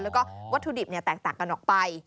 แล้วก็วัตถุดิบแตกต่างกันออกไป